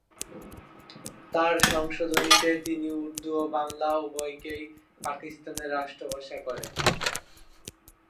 তাঁর সংশোধনীতে তিনি উর্দু ও বাংলা উভয়কেই পাকিস্তানের রাষ্ট্রভাষা করেন।